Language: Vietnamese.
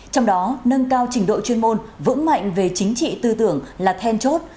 trong đó nâng cao trình độ chuyên môn vững mạnh về chính trị tư tưởng là then chốt